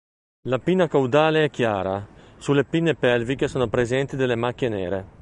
La pinna caudale è chiara, sulle pinne pelviche sono presenti delle macchie nere.